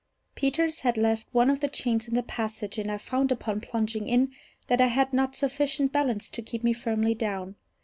Peters had left one of the chains in the passage, and I found, upon plunging in, that I had not sufficient balance to keep me firmly down.